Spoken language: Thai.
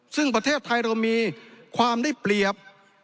ซึ่งประเทศไทยเรามีความได้เปรียบ